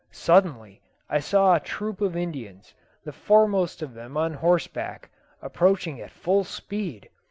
Suddenly I saw a troop of Indians, the foremost of them on horseback, approaching at full speed.